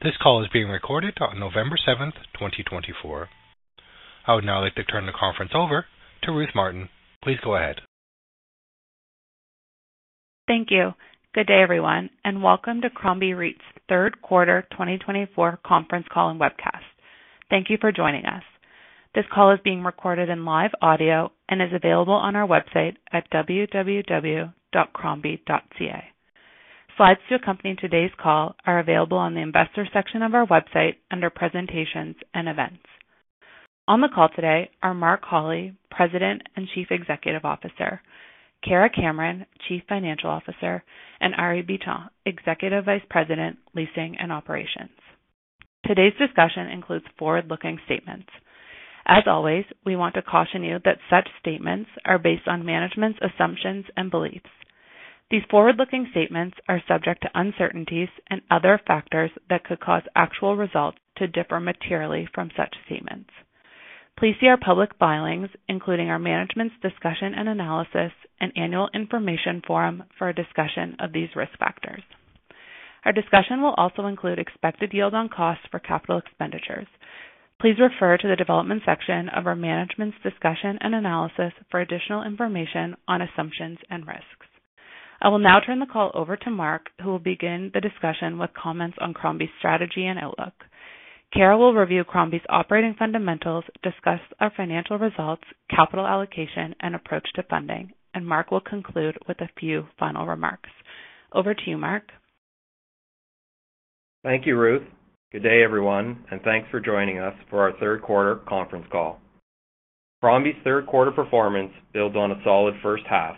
This call is being recorded on November 7th, 2024. I would now like to turn the conference over to Ruth Martin. Please go ahead. Thank you. Good day, everyone, and welcome to Crombie REIT's third quarter 2024 conference call and webcast. Thank you for joining us. This call is being recorded in live audio and is available on our website at www.crombie.ca. Slides to accompany today's call are available on the investor section of our website under Presentations and Events. On the call today are Mark Holly, President and Chief Executive Officer, Kara Cameron, Chief Financial Officer, and Arie Bitton, Executive Vice President, Leasing and Operations. Today's discussion includes forward-looking statements. As always, we want to caution you that such statements are based on management's assumptions and beliefs. These forward-looking statements are subject to uncertainties and other factors that could cause actual results to differ materially from such statements. Please see our public filings, including our management's discussion and analysis, and annual information form for a discussion of these risk factors. Our discussion will also include expected yield on costs for capital expenditures. Please refer to the development section of our management's discussion and analysis for additional information on assumptions and risks. I will now turn the call over to Mark, who will begin the discussion with comments on Crombie's strategy and outlook. Kara will review Crombie's operating fundamentals, discuss our financial results, capital allocation, and approach to funding, and Mark will conclude with a few final remarks. Over to you, Mark. Thank you, Ruth. Good day, everyone, and thanks for joining us for our third quarter conference call. Crombie's third quarter performance builds on a solid first half,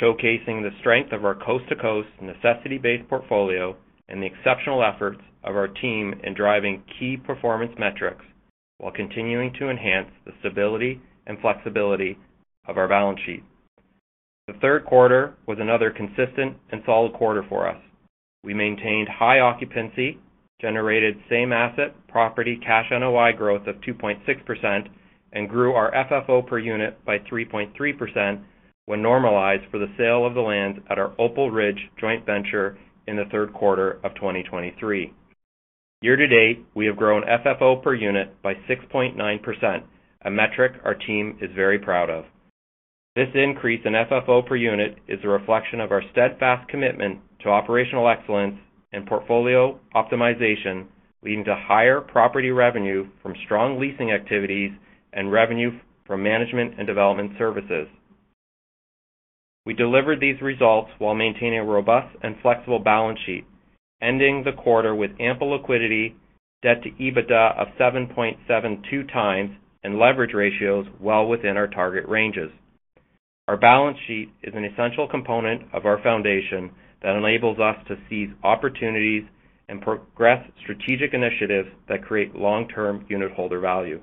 showcasing the strength of our coast-to-coast necessity-based portfolio and the exceptional efforts of our team in driving key performance metrics while continuing to enhance the stability and flexibility of our balance sheet. The third quarter was another consistent and solid quarter for us. We maintained high occupancy, generated same asset property cash NOI growth of 2.6%, and grew our FFO per unit by 3.3% when normalized for the sale of the lands at our Opal Ridge Joint Venture in the third quarter of 2023. Year to date, we have grown FFO per unit by 6.9%, a metric our team is very proud of. This increase in FFO per unit is a reflection of our steadfast commitment to operational excellence and portfolio optimization, leading to higher property revenue from strong leasing activities and revenue from management and development services. We delivered these results while maintaining a robust and flexible balance sheet, ending the quarter with ample liquidity, debt to EBITDA of 7.72 times, and leverage ratios well within our target ranges. Our balance sheet is an essential component of our foundation that enables us to seize opportunities and progress strategic initiatives that create long-term unitholder value.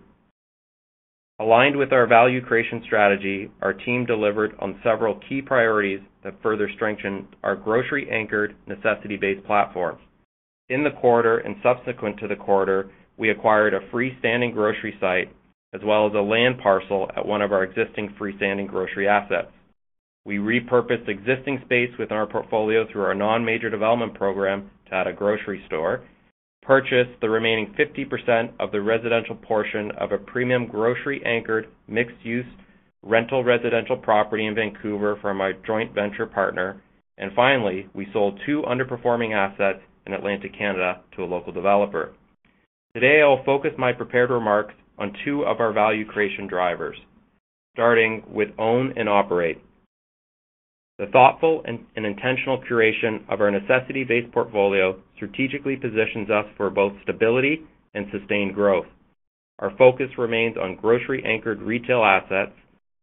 Aligned with our value creation strategy, our team delivered on several key priorities that further strengthened our grocery-anchored necessity-based platform. In the quarter and subsequent to the quarter, we acquired a freestanding grocery site as well as a land parcel at one of our existing freestanding grocery assets. We repurposed existing space within our portfolio through our non-major development program to add a grocery store, purchased the remaining 50% of the residential portion of a premium grocery-anchored mixed-use rental residential property in Vancouver from our joint venture partner, and finally, we sold two underperforming assets in Atlantic Canada to a local developer. Today, I will focus my prepared remarks on two of our value creation drivers, starting with own and operate. The thoughtful and intentional curation of our necessity-based portfolio strategically positions us for both stability and sustained growth. Our focus remains on grocery-anchored retail assets,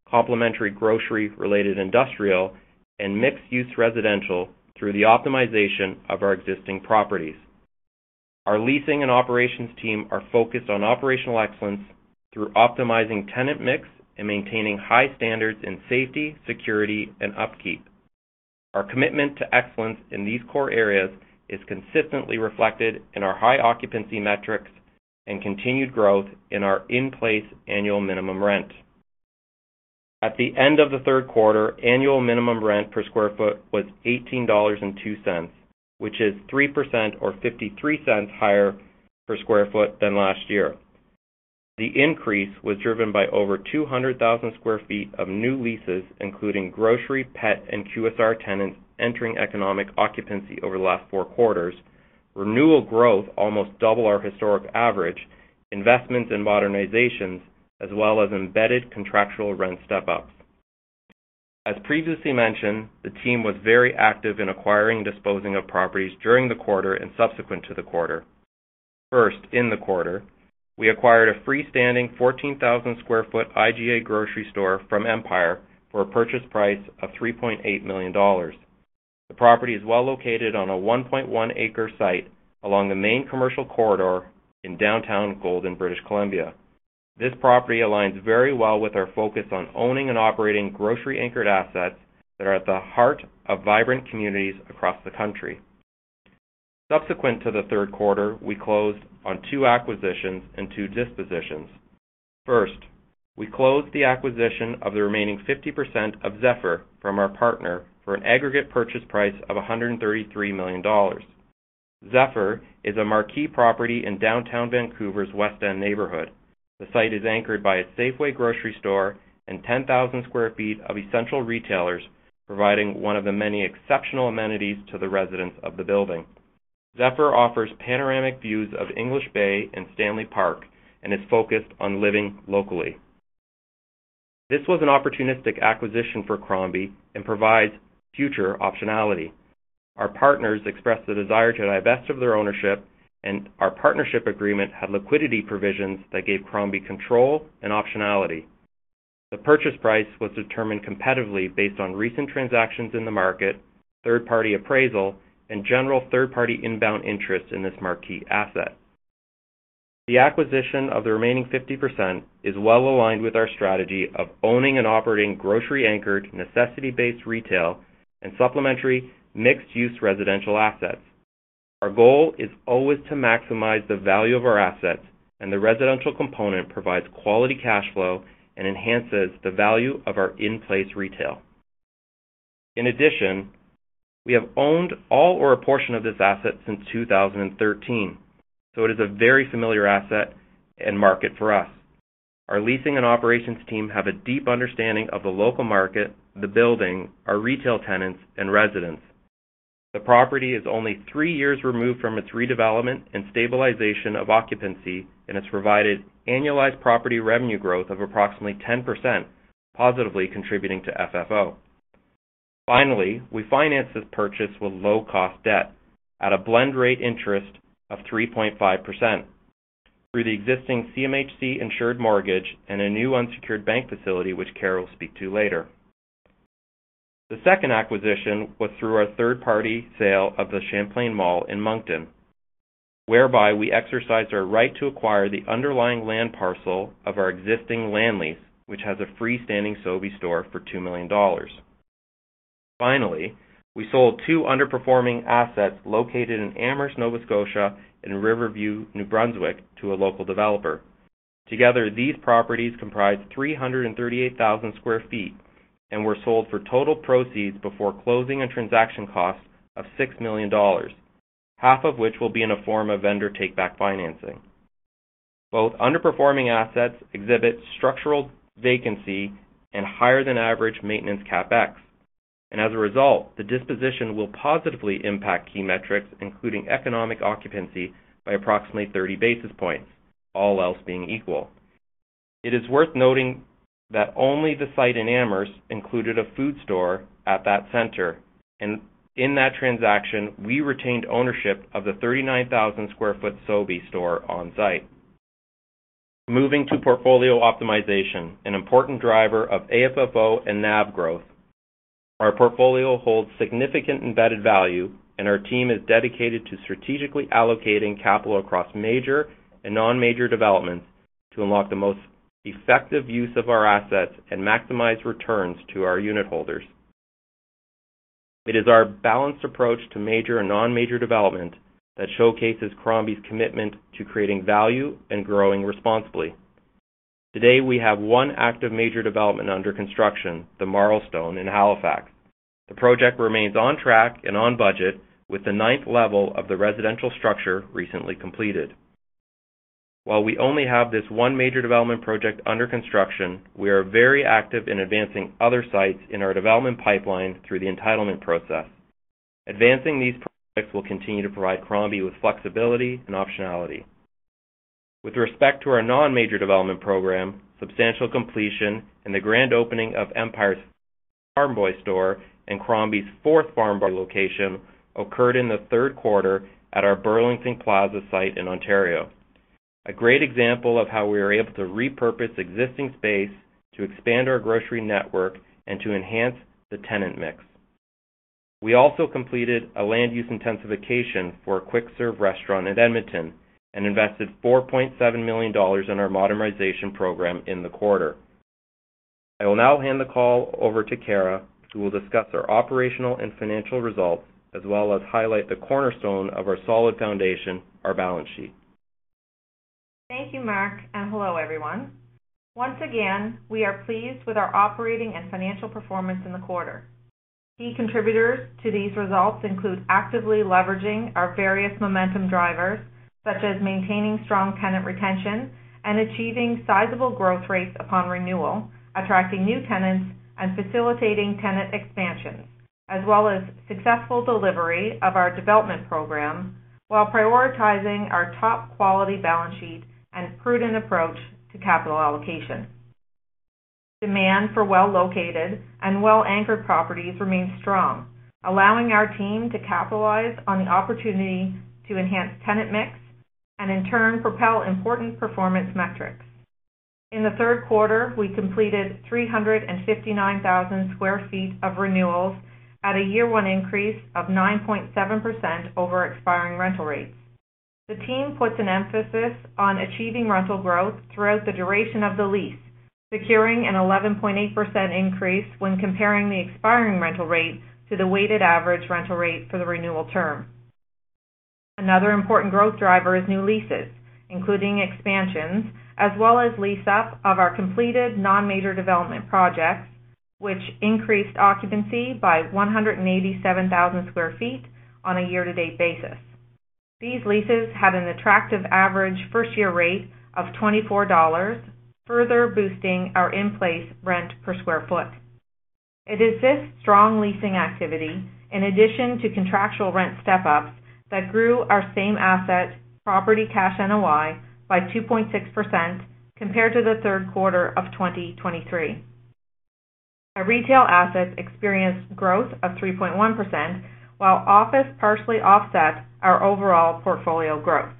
complementary grocery-related industrial, and mixed-use residential through the optimization of our existing properties. Our leasing and operations team are focused on operational excellence through optimizing tenant mix and maintaining high standards in safety, security, and upkeep. Our commitment to excellence in these core areas is consistently reflected in our high occupancy metrics and continued growth in our in-place annual minimum rent. At the end of the third quarter, annual minimum rent per sq ft was 18.02 dollars, which is 3% or 0.53 higher per sq ft than last year. The increase was driven by over 200,000 sq ft of new leases, including grocery, pet, and QSR tenants entering economic occupancy over the last four quarters, renewal growth almost double our historic average, investments and modernizations, as well as embedded contractual rent step-ups. As previously mentioned, the team was very active in acquiring and disposing of properties during the quarter and subsequent to the quarter. First, in the quarter, we acquired a freestanding 14,000 sq ft IGA grocery store from Empire for a purchase price of 3.8 million dollars. The property is well located on a 1.1-acre site along the main commercial corridor in downtown Golden, British Columbia. This property aligns very well with our focus on owning and operating grocery-anchored assets that are at the heart of vibrant communities across the country. Subsequent to the third quarter, we closed on two acquisitions and two dispositions. First, we closed the acquisition of the remaining 50% of Zephyr from our partner for an aggregate purchase price of 133 million dollars. Zephyr is a marquee property in downtown Vancouver's West End neighborhood. The site is anchored by a Safeway grocery store and 10,000 sq ft of essential retailers, providing one of the many exceptional amenities to the residents of the building. Zephyr offers panoramic views of English Bay and Stanley Park and is focused on living locally. This was an opportunistic acquisition for Crombie and provides future optionality. Our partners expressed the desire to divest of their ownership, and our partnership agreement had liquidity provisions that gave Crombie control and optionality. The purchase price was determined competitively based on recent transactions in the market, third-party appraisal, and general third-party inbound interest in this marquee asset. The acquisition of the remaining 50% is well aligned with our strategy of owning and operating grocery-anchored necessity-based retail and supplementary mixed-use residential assets. Our goal is always to maximize the value of our assets, and the residential component provides quality cash flow and enhances the value of our in-place retail. In addition, we have owned all or a portion of this asset since 2013, so it is a very familiar asset and market for us. Our leasing and operations team have a deep understanding of the local market, the building, our retail tenants, and residents. The property is only three years removed from its redevelopment and stabilization of occupancy, and it's provided annualized property revenue growth of approximately 10%, positively contributing to FFO. Finally, we financed this purchase with low-cost debt at a blend rate interest of 3.5% through the existing CMHC insured mortgage and a new unsecured bank facility, which Kara will speak to later. The second acquisition was through our third-party sale of the Champlain Mall in Moncton, whereby we exercised our right to acquire the underlying land parcel of our existing land lease, which has a freestanding Sobeys store for 2 million dollars. Finally, we sold two underperforming assets located in Amherst, Nova Scotia, and Riverview, New Brunswick, to a local developer. Together, these properties comprise 338,000 sq ft and were sold for total proceeds before closing and transaction costs of $6 million, half of which will be in the form of vendor take-back financing. Both underperforming assets exhibit structural vacancy and higher-than-average maintenance CapEx, and as a result, the disposition will positively impact key metrics, including economic occupancy, by approximately 30 basis points, all else being equal. It is worth noting that only the site in Amherst included a food store at that center, and in that transaction, we retained ownership of the 39,000 sq ft Sobeys store on site. Moving to portfolio optimization, an important driver of AFFO and NAV growth, our portfolio holds significant embedded value, and our team is dedicated to strategically allocating capital across major and non-major developments to unlock the most effective use of our assets and maximize returns to our unitholders. It is our balanced approach to major and non-major development that showcases Crombie's commitment to creating value and growing responsibly. Today, we have one active major development under construction, the Marlstone in Halifax. The project remains on track and on budget, with the ninth level of the residential structure recently completed. While we only have this one major development project under construction, we are very active in advancing other sites in our development pipeline through the entitlement process. Advancing these projects will continue to provide Crombie with flexibility and optionality. With respect to our non-major development program, substantial completion and the grand opening of Empire's Farm Boy store and Crombie's fourth Farm Boy location occurred in the third quarter at our Burlington Plaza site in Ontario. A great example of how we are able to repurpose existing space to expand our grocery network and to enhance the tenant mix. We also completed a land use intensification for a quick-serve restaurant in Edmonton and invested 4.7 million dollars in our modernization program in the quarter. I will now hand the call over to Kara, who will discuss our operational and financial results, as well as highlight the cornerstone of our solid foundation, our balance sheet. Thank you, Mark, and hello, everyone. Once again, we are pleased with our operating and financial performance in the quarter. Key contributors to these results include actively leveraging our various momentum drivers, such as maintaining strong tenant retention and achieving sizable growth rates upon renewal, attracting new tenants, and facilitating tenant expansions, as well as successful delivery of our development program while prioritizing our top quality balance sheet and prudent approach to capital allocation. Demand for well-located and well-anchored properties remains strong, allowing our team to capitalize on the opportunity to enhance tenant mix and, in turn, propel important performance metrics. In the third quarter, we completed 359,000 sq ft of renewals at a year-one increase of 9.7% over expiring rental rates. The team puts an emphasis on achieving rental growth throughout the duration of the lease, securing an 11.8% increase when comparing the expiring rental rate to the weighted average rental rate for the renewal term. Another important growth driver is new leases, including expansions, as well as lease-up of our completed non-major development projects, which increased occupancy by 187,000 sq ft on a year-to-date basis. These leases had an attractive average first-year rate of 24 dollars, further boosting our in-place rent per square foot. It is this strong leasing activity, in addition to contractual rent step-ups, that grew our same-asset property cash NOI by 2.6% compared to the third quarter of 2023. Our retail assets experienced growth of 3.1%, while office partially offset our overall portfolio growth.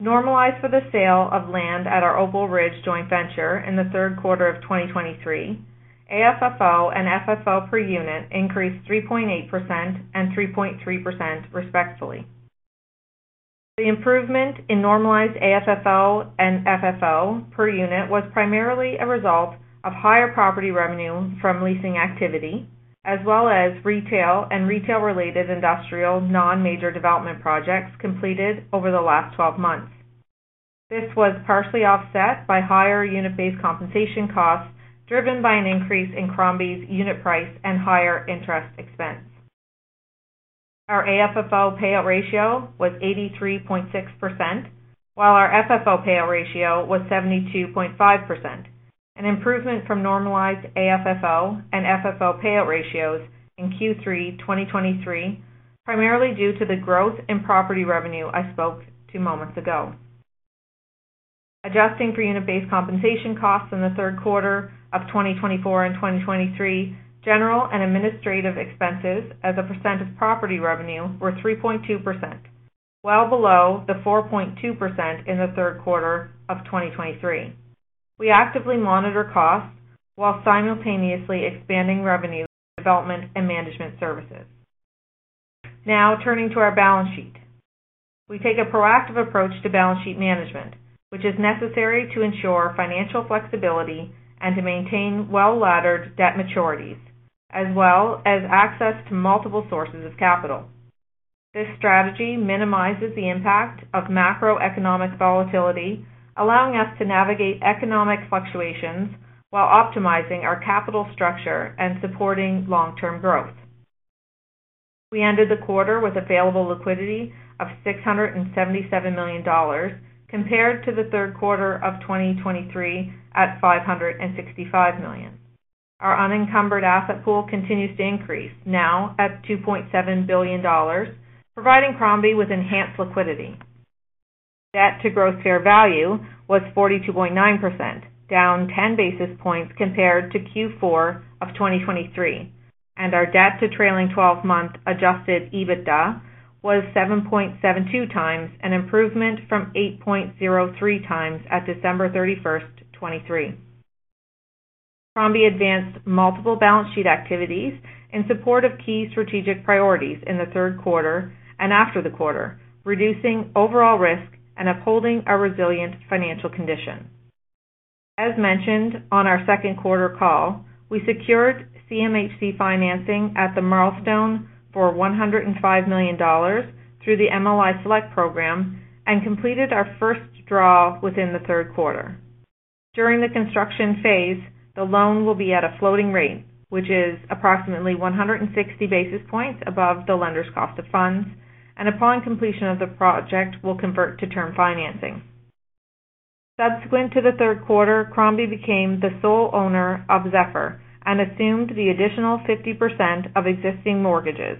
Normalized for the sale of land at our Opal Ridge Joint Venture in the third quarter of 2023, AFFO and FFO per unit increased 3.8% and 3.3%, respectively. The improvement in normalized AFFO and FFO per unit was primarily a result of higher property revenue from leasing activity, as well as retail and retail-related industrial non-major development projects completed over the last 12 months. This was partially offset by higher unit-based compensation costs driven by an increase in Crombie's unit price and higher interest expense. Our AFFO payout ratio was 83.6%, while our FFO payout ratio was 72.5%, an improvement from normalized AFFO and FFO payout ratios in Q3 2023, primarily due to the growth in property revenue I spoke to moments ago. Adjusting for unit-based compensation costs in the third quarter of 2024 and 2023, general and administrative expenses as a % of property revenue were 3.2%, well below the 4.2% in the third quarter of 2023. We actively monitor costs while simultaneously expanding revenue through development and management services. Now, turning to our balance sheet, we take a proactive approach to balance sheet management, which is necessary to ensure financial flexibility and to maintain well-laddered debt maturities, as well as access to multiple sources of capital. This strategy minimizes the impact of macroeconomic volatility, allowing us to navigate economic fluctuations while optimizing our capital structure and supporting long-term growth. We ended the quarter with available liquidity of 677 million dollars, compared to the third quarter of 2023 at 565 million. Our unencumbered asset pool continues to increase, now at 2.7 billion dollars, providing Crombie with enhanced liquidity. Debt to gross fair value was 42.9%, down 10 basis points compared to Q4 of 2023, and our debt to trailing 12-month adjusted EBITDA was 7.72 times, an improvement from 8.03 times at December 31st, 2023. Crombie advanced multiple balance sheet activities in support of key strategic priorities in the third quarter and after the quarter, reducing overall risk and upholding a resilient financial condition. As mentioned on our second quarter call, we secured CMHC financing at the Marlstone for 105 million dollars through the MLI Select program and completed our first draw within the third quarter. During the construction phase, the loan will be at a floating rate, which is approximately 160 basis points above the lender's cost of funds, and upon completion of the project, we'll convert to term financing. Subsequent to the third quarter, Crombie became the sole owner of Zephyr and assumed the additional 50% of existing mortgages,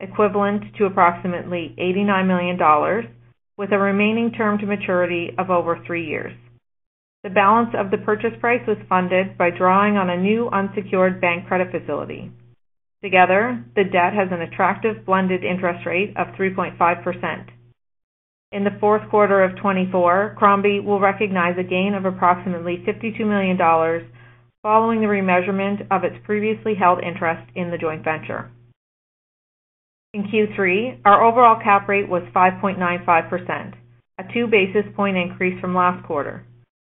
equivalent to approximately 89 million dollars, with a remaining term to maturity of over three years. The balance of the purchase price was funded by drawing on a new unsecured bank credit facility. Together, the debt has an attractive blended interest rate of 3.5%. In the fourth quarter of 2024, Crombie will recognize a gain of approximately 52 million dollars following the remeasurement of its previously held interest in the joint venture. In Q3, our overall cap rate was 5.95%, a two basis point increase from last quarter.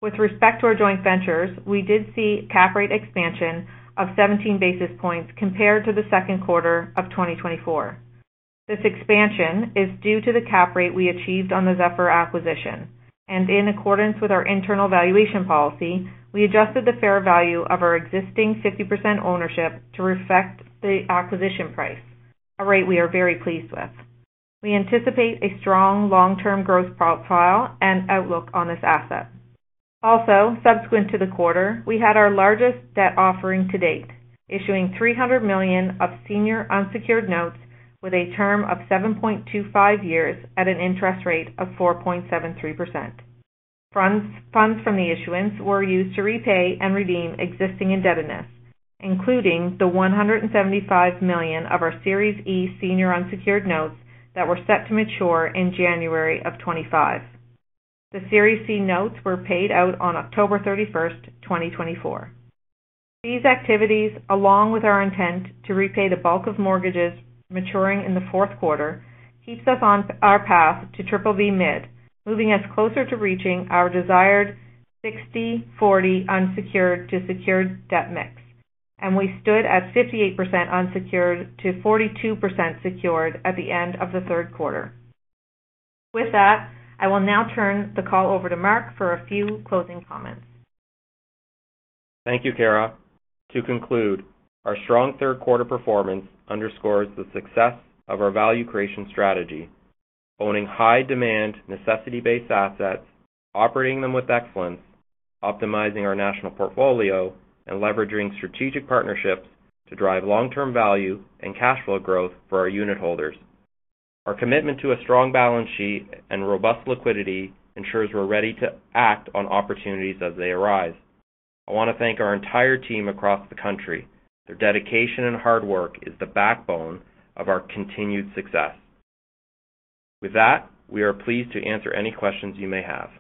With respect to our joint ventures, we did see cap rate expansion of 17 basis points compared to the second quarter of 2024. This expansion is due to the cap rate we achieved on the Zephyr acquisition, and in accordance with our internal valuation policy, we adjusted the fair value of our existing 50% ownership to reflect the acquisition price, a rate we are very pleased with. We anticipate a strong long-term growth profile and outlook on this asset. Also, subsequent to the quarter, we had our largest debt offering to date, issuing 300 million of senior unsecured notes with a term of 7.25 years at an interest rate of 4.73%. Funds from the issuance were used to repay and redeem existing indebtedness, including the 175 million of our Series E Senior Unsecured Notes that were set to mature in January of 2025. The Series E Notes were paid out on October 31st, 2024. These activities, along with our intent to repay the bulk of mortgages maturing in the fourth quarter, keep us on our path to Triple-B Mid, moving us closer to reaching our desired 60/40 unsecured to secured debt mix, and we stood at 58% unsecured to 42% secured at the end of the third quarter. With that, I will now turn the call over to Mark for a few closing comments. Thank you, Kara. To conclude, our strong third-quarter performance underscores the success of our value creation strategy, owning high-demand, necessity-based assets, operating them with excellence, optimizing our national portfolio, and leveraging strategic partnerships to drive long-term value and cash flow growth for our unitholders. Our commitment to a strong balance sheet and robust liquidity ensures we're ready to act on opportunities as they arise. I want to thank our entire team across the country. Their dedication and hard work is the backbone of our continued success. With that, we are pleased to answer any questions you may have.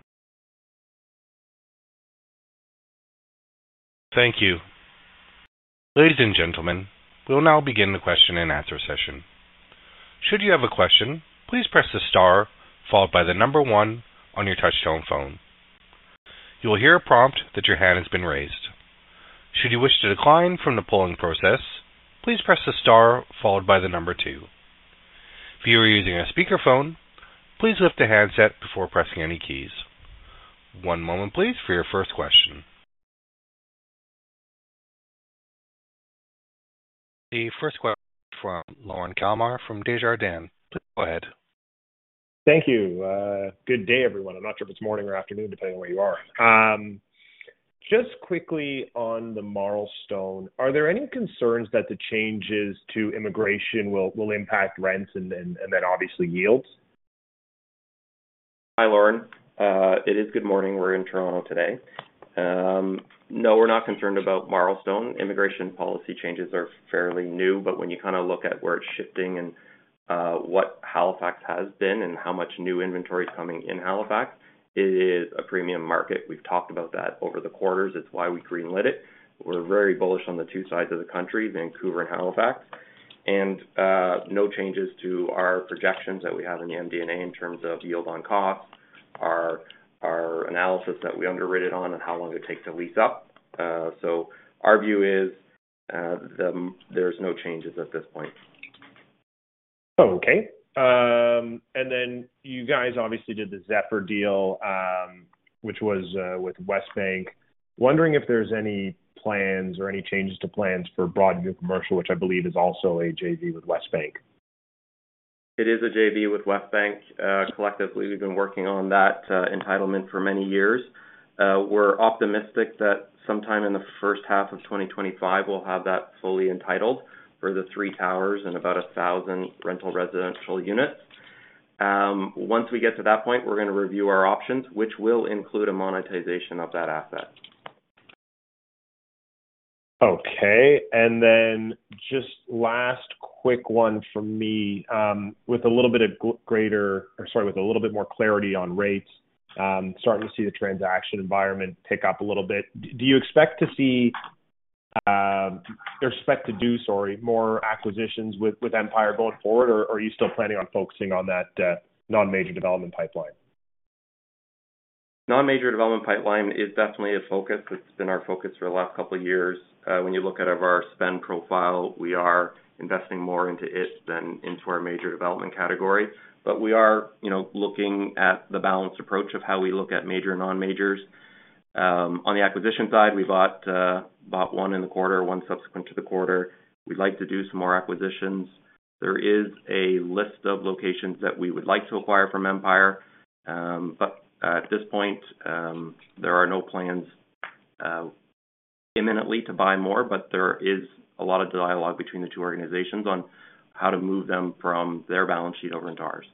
Thank you. Ladies and gentlemen, we'll now begin the question and answer session. Should you have a question, please press the star followed by the number one on your touch-tone phone. You will hear a prompt that your hand has been raised. Should you wish to decline from the polling process, please press the star followed by the number two. If you are using a speakerphone, please lift the handset before pressing any keys. One moment, please, for your first question. The first question from Lorne Kalmar from Desjardins. Please go ahead. Thank you. Good day, everyone. I'm not sure if it's morning or afternoon, depending on where you are. Just quickly on the Marlstone, are there any concerns that the changes to immigration will impact rents and then obviously yields? Hi, Lorne. It is good morning. We're in Toronto today. No, we're not concerned about Marlstone. Immigration policy changes are fairly new, but when you kind of look at where it's shifting and what Halifax has been and how much new inventory is coming in Halifax, it is a premium market. We've talked about that over the quarters. It's why we greenlit it. We're very bullish on the two sides of the country, Vancouver and Halifax, and no changes to our projections that we have in the MD&A in terms of yield on cost, our analysis that we underwrite it on, and how long it takes to lease up, so our view is there's no changes at this point. Okay. And then you guys obviously did the Zephyr deal, which was with Westbank. Wondering if there's any plans or any changes to plans for Broadway Commercial, which I believe is also a JV with Westbank. It is a JV with Westbank. Collectively, we've been working on that entitlement for many years. We're optimistic that sometime in the first half of 2025, we'll have that fully entitled for the three towers and about 1,000 rental residential units. Once we get to that point, we're going to review our options, which will include a monetization of that asset. Okay. And then just last quick one for me with a little bit more clarity on rates. Starting to see the transaction environment pick up a little bit. Do you expect to do more acquisitions with Empire going forward, or are you still planning on focusing on that non-major development pipeline? Non-major development pipeline is definitely a focus. It's been our focus for the last couple of years. When you look at our spend profile, we are investing more into it than into our major development category. But we are looking at the balanced approach of how we look at major and non-majors. On the acquisition side, we bought one in the quarter, one subsequent to the quarter. We'd like to do some more acquisitions. There is a list of locations that we would like to acquire from Empire, but at this point, there are no plans imminently to buy more, but there is a lot of dialogue between the two organizations on how to move them from their balance sheet over into ours.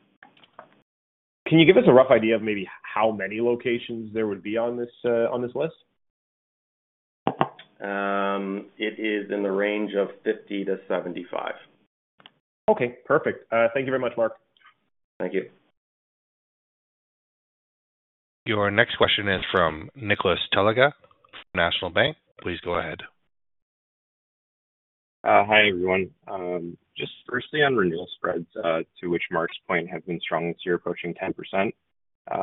Can you give us a rough idea of maybe how many locations there would be on this list? It is in the range of 50 to 75. Okay. Perfect. Thank you very much, Mark. Thank you. Your next question is from Nicholas Talaga, National Bank. Please go ahead. Hi everyone. Just firstly, on renewal spreads, to which Mark's point, have been strong this year, approaching 10%.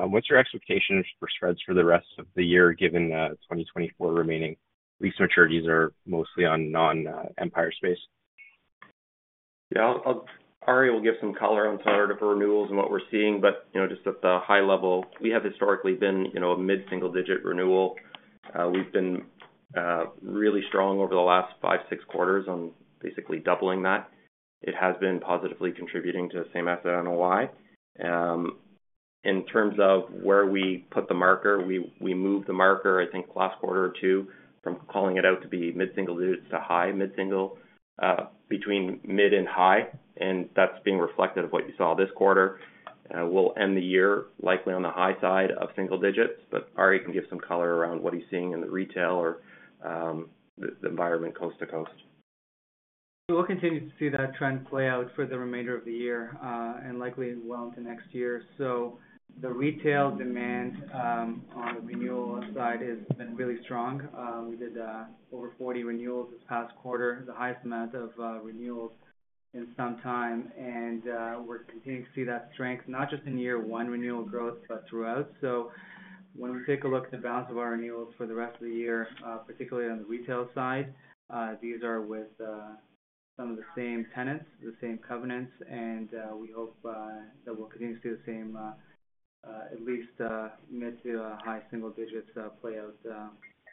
What's your expectation for spreads for the rest of the year given 2024 remaining? Lease maturities are mostly on non-Empire space. Yeah. Ari will give some color on some of the renewals and what we're seeing, but just at the high level, we have historically been a mid-single-digit renewal. We've been really strong over the last five, six quarters on basically doubling that. It has been positively contributing to the same-asset NOI. In terms of where we put the marker, we moved the marker, I think, last quarter or two from calling it out to be mid-single digits to high mid-single, between mid and high, and that's being reflected in what you saw this quarter. We'll end the year likely on the high side of single digits, but Ari can give some color around what he's seeing in the retail or the environment coast to coast. We will continue to see that trend play out for the remainder of the year and likely well into next year. So the retail demand on the renewal side has been really strong. We did over 40 renewals this past quarter, the highest amount of renewals in some time, and we're continuing to see that strength, not just in year one renewal growth, but throughout. So when we take a look at the balance of our renewals for the rest of the year, particularly on the retail side, these are with some of the same tenants, the same covenants, and we hope that we'll continue to see the same, at least mid to high single digits play out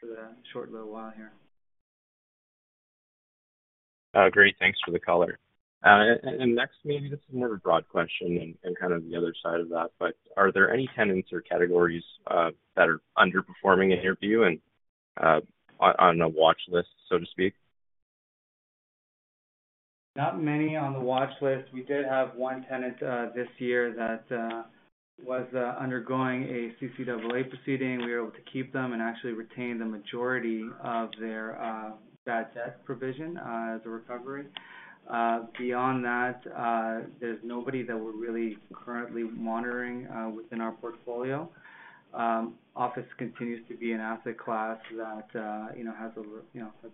for the short little while here. Great. Thanks for the color. And next, maybe this is more of a broad question and kind of the other side of that, but are there any tenants or categories that are underperforming in your view and on a watch list, so to speak? Not many on the watch list. We did have one tenant this year that was undergoing a CCAA proceeding. We were able to keep them and actually retain the majority of their bad debt provision as a recovery. Beyond that, there's nobody that we're really currently monitoring within our portfolio. Office continues to be an asset class that has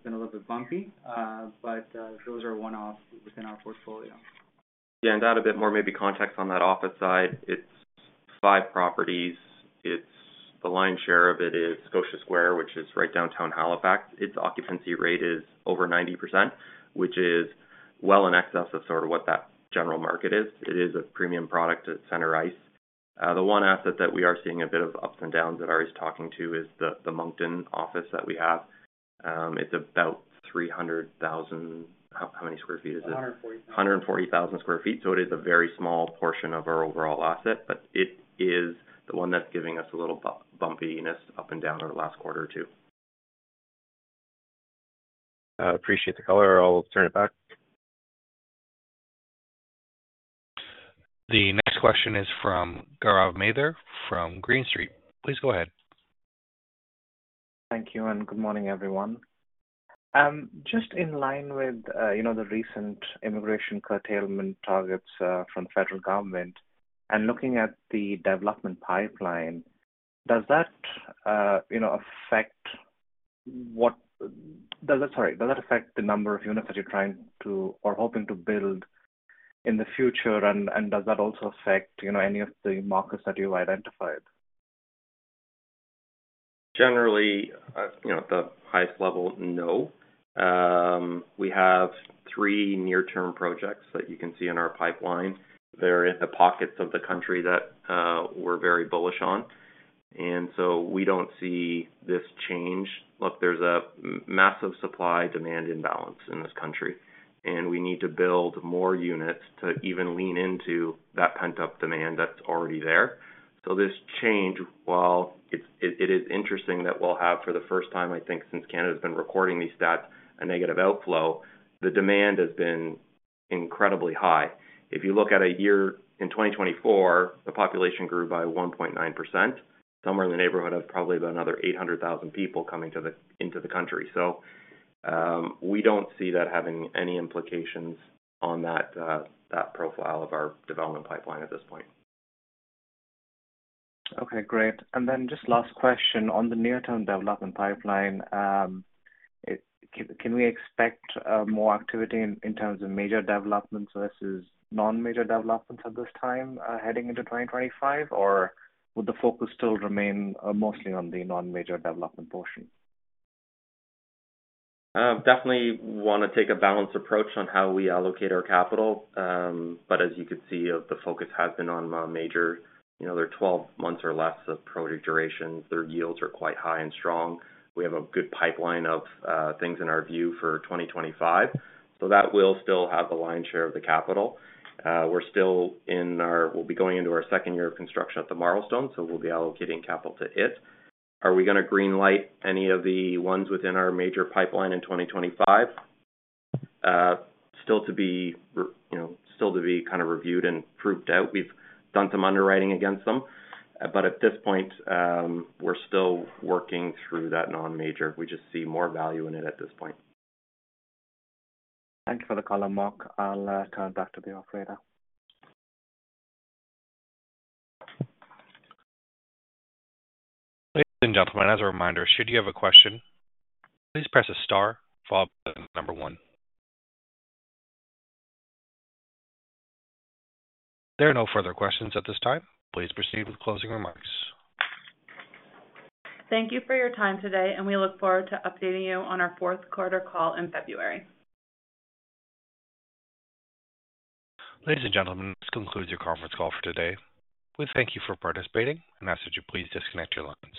been a little bit bumpy, but those are one-offs within our portfolio. To hand out a bit more maybe context on that office side, it's five properties. The lion's share of it is Scotia Square, which is right downtown Halifax. Its occupancy rate is over 90%, which is well in excess of sort of what that general market is. It is a premium product at center ice. The one asset that we are seeing a bit of ups and downs that Ari's talking to is the Moncton office that we have. It's about 300,000 sq ft. How many square feet is it? 140,000. 140,000 sq ft. So it is a very small portion of our overall asset, but it is the one that's giving us a little bumpiness up and down over the last quarter or two. Appreciate the color. I'll turn it back. The next question is from Gaurav Mathur from Green Street. Please go ahead. Thank you and good morning, everyone. Just in line with the recent immigration curtailment targets from the federal government and looking at the development pipeline, does that affect the number of units that you're trying to or hoping to build in the future? And does that also affect any of the markets that you've identified? Generally, at the highest level, no. We have three near-term projects that you can see in our pipeline. They're in the pockets of the country that we're very bullish on, and so we don't see this change. Look, there's a massive supply-demand imbalance in this country, and we need to build more units to even lean into that pent-up demand that's already there. So this change, while it is interesting that we'll have for the first time, I think, since Canada has been recording these stats, a negative outflow, the demand has been incredibly high. If you look at a year in 2024, the population grew by 1.9%, somewhere in the neighborhood of probably about another 800,000 people coming into the country, so we don't see that having any implications on that profile of our development pipeline at this point. Okay. Great. And then just last question on the near-term development pipeline. Can we expect more activity in terms of major developments versus non-major developments at this time heading into 2025, or would the focus still remain mostly on the non-major development portion? Definitely want to take a balanced approach on how we allocate our capital. But as you could see, the focus has been on non-major. There are 12 months or less of project durations. Their yields are quite high and strong. We have a good pipeline of things in our view for 2025. So that will still have the lion's share of the capital. We're still in our - we'll be going into our second year of construction at the Marlstone, so we'll be allocating capital to it. Are we going to greenlight any of the ones within our major pipeline in 2025? Still to be kind of reviewed and proved out. We've done some underwriting against them. But at this point, we're still working through that non-major. We just see more value in it at this point. Thank you for the color, Mark. I'll turn it back to the operator. Ladies and gentlemen, as a reminder, should you have a question, please press the star followed by the number one. If there are no further questions at this time, please proceed with closing remarks. Thank you for your time today, and we look forward to updating you on our fourth quarter call in February. Ladies and gentlemen, this concludes your conference call for today. We thank you for participating and ask that you please disconnect your lines.